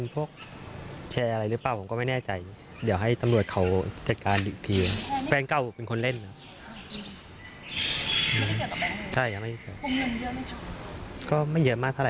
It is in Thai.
ประมาณนี้